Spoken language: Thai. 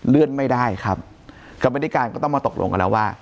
ไม่ได้ครับกรรมนิการก็ต้องมาตกลงกันแล้วว่า